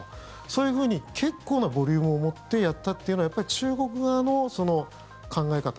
そういうふうに結構なボリュームを持ってやったというのは中国側の考え方